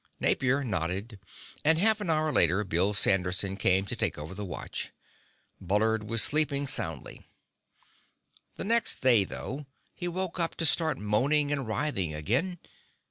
Napier nodded, and half an hour later Bill Sanderson came to take over the watch. Bullard was sleeping soundly. The next day, though, he woke up to start moaning and writhing again.